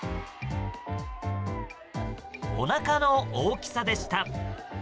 おなかの大きさでした。